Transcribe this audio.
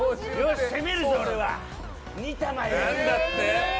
攻めるぞ、俺は。